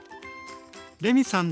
レミさん